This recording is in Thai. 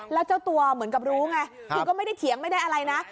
แล้วเจ้าตัวเหมือนกับรู้ไงคือก็ไม่ได้เถียงไม่ได้อะไรนะ